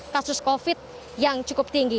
kasus covid yang cukup tinggi